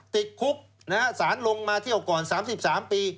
ติดคุกสารลงมาเที่ยวก่อน๓๓ปี